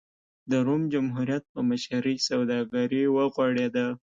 د روم جمهوریت په مشرۍ سوداګري وغوړېده.